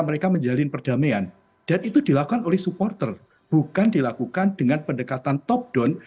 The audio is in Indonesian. mereka menjalin perdamaian dan itu dilakukan oleh supporter bukan dilakukan dengan pendekatan top down